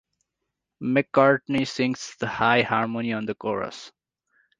McCartney sings the high harmony on the chorus.